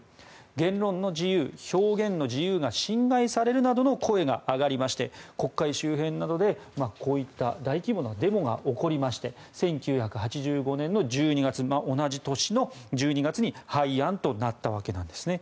言論の自由、表現の自由が侵害されるなどの声が上がりまして国会周辺などで大規模なデモが起こりまして１９８５年１２月同じ年の１２月に廃案となったわけなんです。